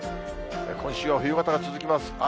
今週は冬型が続きます。